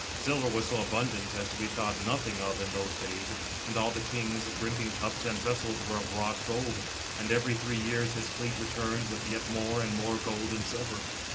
Silver was so abundant, as to be thought nothing of in those days, and all the king's drinking cups and vessels were of wrought gold, and every three years his fleet returned w : th yet more and more gold and silver.